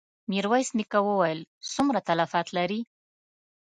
ميرويس نيکه وويل: څومره تلفات لرې؟